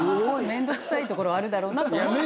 めんどくさいところあるだろうなと思うけど。